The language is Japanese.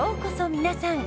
皆さん。